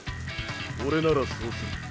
オレならそうする。